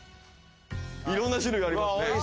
いろんな種類がありますね。